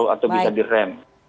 atau bisa direm